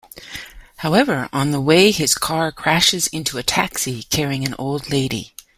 However, on the way his car crashes into a taxi carrying an old lady.